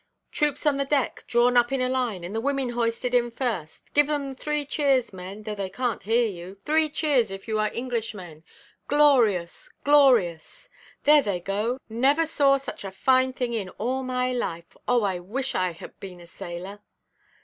Troops on the deck, drawn up in a line, and the women hoisted in first. Give them three cheers, men, though they canʼt hear you! Three cheers, if you are Englishmen! Glorious, glorious! There they go; never saw such a fine thing in all my life. Oh, I wish I had been a sailor!"